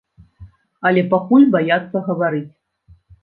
Але пакуль баяцца гаварыць.